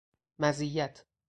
مزیت